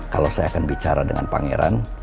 kalau saya akan bicara dengan pangeran